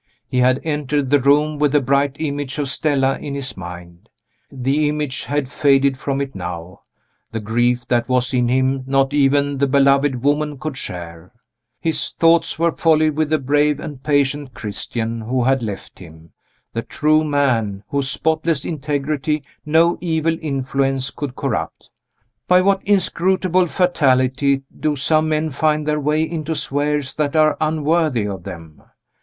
He had entered the room with the bright image of Stella in his mind. The image had faded from it now the grief that was in him not even the beloved woman could share. His thoughts were wholly with the brave and patient Christian who had left him the true man, whose spotless integrity no evil influence could corrupt. By what inscrutable fatality do some men find their way into spheres that are unworthy of them?